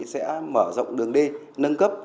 sẽ mở rộng đường d nâng cấp